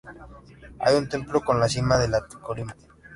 Hay un templo en la cima de la colina.